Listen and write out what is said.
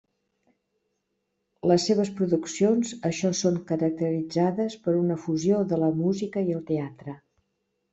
Les seves produccions això són caracteritzades per una fusió de la música i el teatre.